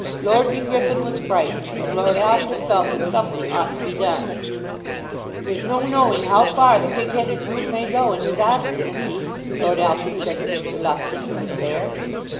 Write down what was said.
Lord De Griffin was frightened, and Lord Alfred felt that something ought to be done. "There's no knowing how far the pig headed brute may go in his obstinacy," Lord Alfred said to Mr. Lupton, who was there.